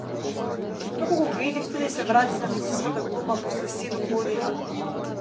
Како го убедивте да ѝ се врати на филмската глума после седум години?